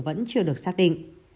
vẫn chưa được xác định